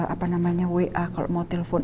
apa namanya wa kalau mau telepon